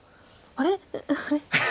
あれ？